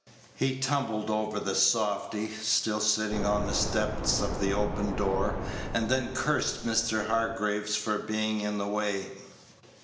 He tumbled over the softy, still sitting on the step of the open door, and then cursed Mr. Hargraves for being in the way.